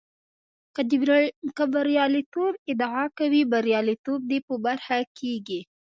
که د برياليتوب ادعا کوې برياليتوب دې په برخه کېږي.